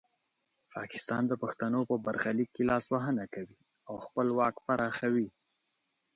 پاکستان د پښتنو په برخلیک کې لاسوهنه کوي او خپل واک پراخوي.